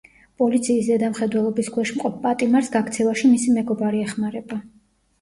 პოლიციის ზედამხედველობის ქვეშ მყოფ პატიმარს გაქცევაში მისი მეგობარი ეხმარება.